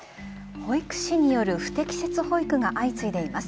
保育士による不適切保育が相次いでいます。